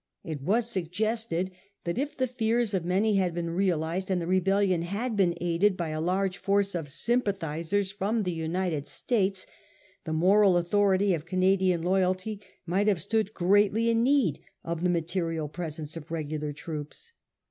It was suggested that if the fears of many had been realised and the rebellion had been aided by a large force of sympathisers from the United States, the moral authority of Canadian loyalty might have stood greatly in need of the material presence of regular troops.